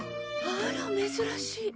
あら珍しい。